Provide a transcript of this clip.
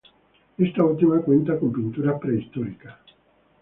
Esta última cuenta con pinturas prehistóricas.